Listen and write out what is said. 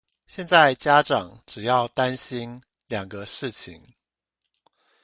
現在家長只要擔心兩個事情